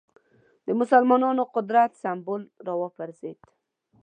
د مسلمانانو قدرت سېمبول راوپرځېد